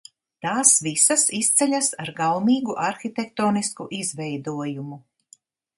Tās visas izceļas ar gaumīgu arhitektonisku izveidojumu.